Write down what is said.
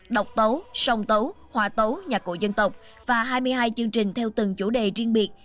độc tấu song tấu hòa tấu nhạc cổ dân tộc và hai mươi hai chương trình theo từng chủ đề riêng biệt